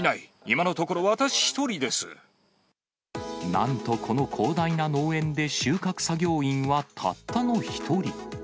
今のところ、なんとこの広大な農園で収穫作業員は、たったの１人。